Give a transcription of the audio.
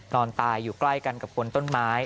นอนตายอยู่ใกล้กันกับคนต้นไม้